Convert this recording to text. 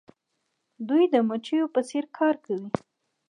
دوی د مچیو په څیر کار کوي.